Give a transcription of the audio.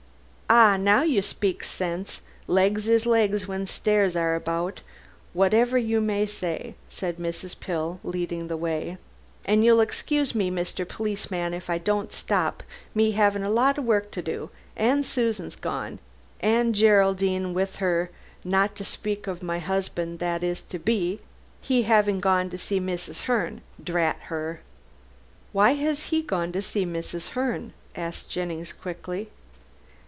"Ah, now you speaks sense. Legs is legs when stairs are about, whatever you may say," said Mrs. Pill, leading the way, "an' you'll excuse me, Mr. Policeman, if I don't stop, me 'avin' a lot of work to do, as Susan's gone and Geraldine with 'er, not to speak of my 'usbin' that is to be, he havin' gone to see Mrs. Herne, drat her!" "Why has he gone to see Mrs. Herne?" asked Jennings quickly.